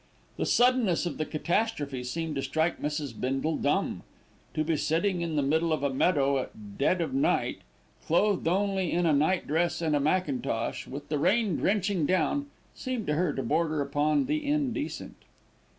The suddenness of the catastrophe seemed to strike Mrs. Bindle dumb. To be sitting in the middle of a meadow at dead of night, clothed only in a nightdress and a mackintosh, with the rain drenching down, seemed to her to border upon the indecent.